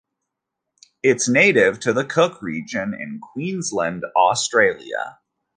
It is native to the Cook region in Queensland, Australia.